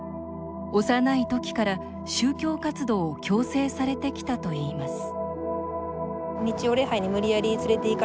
幼いときから宗教活動を強制されてきたといいます